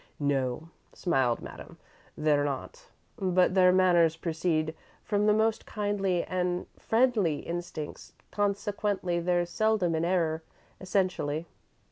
"No," smiled Madame, "they're not, but their manners proceed from the most kindly and friendly instincts, consequently they're seldom in error, essentially."